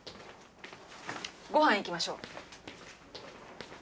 ごはん行きましょう。